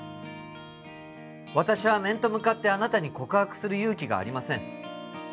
私は面と向かってあなたに告白する勇気がありません